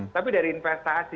tapi dari investasi